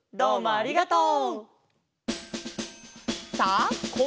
ありがとう。